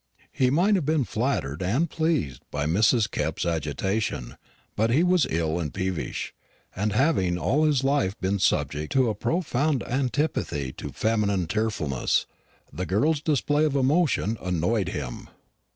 He might have been flattered and pleased by Miss Kepp's agitation; but he was ill and peevish; and having all his life been subject to a profound antipathy to feminine tearfulness, the girl's display of emotion annoyed him.